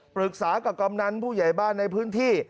ปรึกษากับกำนันผู้ใหญ่บ้านในพื้นที่